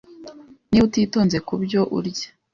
Niba utitonze kubyo urya,